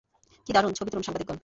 কি দারুন, ছবি তুলুন সাংবাদিকগন।